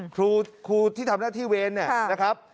ครูที่ทำหน้าที่เวรเนี่ยนะครับ